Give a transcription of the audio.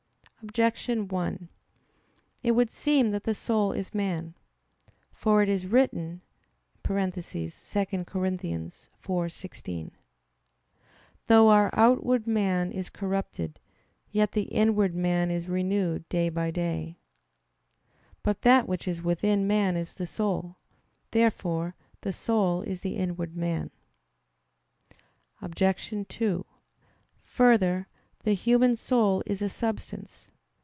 Objection 1: It would seem that the soul is man. For it is written (2 Cor. 4:16): "Though our outward man is corrupted, yet the inward man is renewed day by day." But that which is within man is the soul. Therefore the soul is the inward man. Obj. 2: Further, the human soul is a substance.